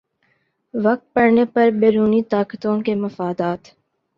وقت پڑنے پر بیرونی طاقتوں کے مفادات